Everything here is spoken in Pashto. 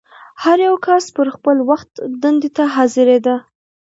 هر یو کس به پر خپل وخت دندې ته حاضرېده.